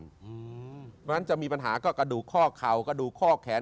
เพราะฉะนั้นจะมีปัญหาก็กระดูกข้อเข่ากระดูกข้อแขน